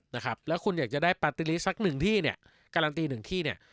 นะครับแล้วคุณอยากจะได้ปาร์ตี้ลิสต์สักหนึ่งที่เนี่ยการันตีหนึ่งที่เนี่ย